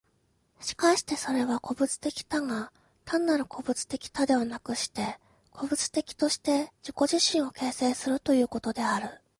しかしてそれは個物的多が、単なる個物的多ではなくして、個物的として自己自身を形成するということである。